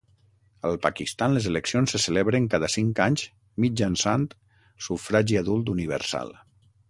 Al Pakistan, les eleccions se celebren cada cinc anys mitjançant sufragi adult universal.